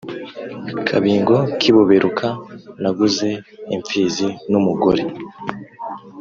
Kabingo k' i Buberuka naguze impfizi n' umugore,